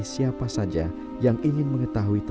sampai ke generasi ke empat